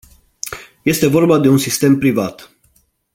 Este vorba de un sistem privat.